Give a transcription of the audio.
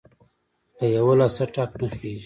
له يوه لاسه ټک نه خیژي!.